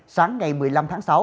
sáng ngày một mươi năm tháng sáu